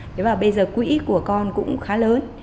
thế và bây giờ quỹ của con cũng khá lớn